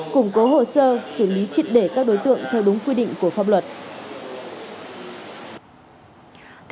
cùng cố hồ sơ xử lý trịt để các đối tượng theo đúng quy định của pháp luật